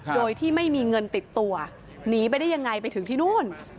โดยที่ไม่มีเงินติดตัวหนีไปได้ยังไงไปถึงที่นู่น